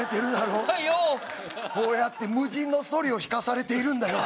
こうやって無人のソリを引かされているんだよ